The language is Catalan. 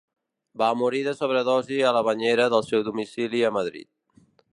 Va morir de sobredosi a la banyera del seu domicili a Madrid.